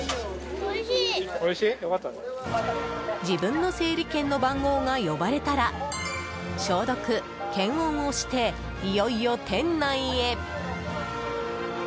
自分の整理券の番号が呼ばれたら消毒・検温をしていよいよ店内へ。